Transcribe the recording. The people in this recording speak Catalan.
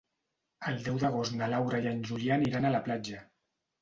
El deu d'agost na Laura i en Julià aniran a la platja.